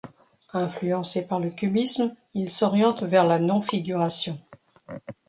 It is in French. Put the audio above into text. Influencé par le cubisme, il s'oriente vers la non-figuration.